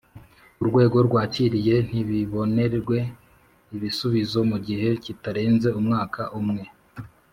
urwego rwakiriye ntibibonerwe ibisubizo mu gihe kitarenze umwaka umwe